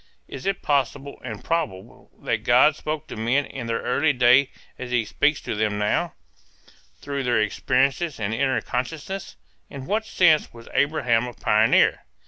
Is it possible and probable that God spoke to men in that early day as he speaks to them now, through their experiences and inner consciousness? In what sense was Abraham a pioneer?